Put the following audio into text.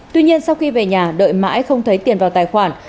tuy nhiên sau khi về nhà đợi mãi không thấy tiền vào tài khoản